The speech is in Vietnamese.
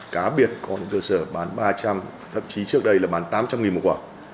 cá biệt có những cơ sở bán ba trăm linh thậm chí trước đây là bán tám trăm linh một quả